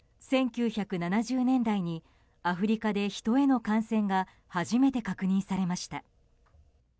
１９７０年代にアフリカでヒトへの感染が初めて確認されました。